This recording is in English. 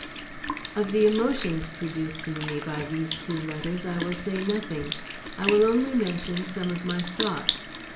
Of the emotions produced in me by these, two letters I will say nothing; I will only mention some of my thoughts.